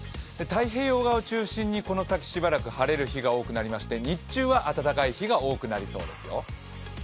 太平洋側を中心にしばらく晴れが続いて日中は暖かい日が多くなりそうですよ。